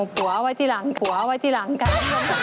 ผัวเอาไว้ที่หลังกัน